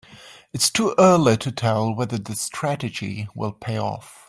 It's too early to tell whether the strategy will pay off.